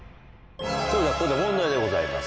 それではここで問題でございます。